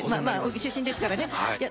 まあ出身ですからね。